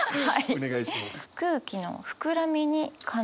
お願いします。